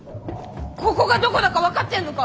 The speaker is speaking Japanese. ここがどこだか分かってんのか？